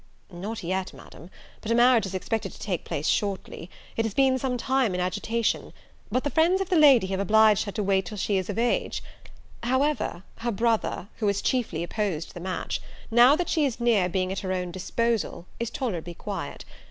"Not yet, Madam, but a marriage is expected to take place shortly: it has been some time in agitation; but the friends of the lady have obliged her to wait till she is of age: however, her brother, who has chiefly opposed the match, now that she is near being at her own disposal, is tolerably quiet.